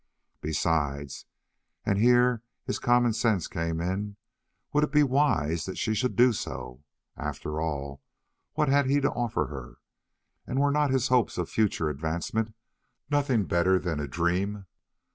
Besides, and here his common sense came in, would it be wise that she should do so? After all, what had he to offer her, and were not his hopes of future advancement nothing better than a dream?